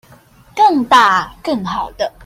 更大更好的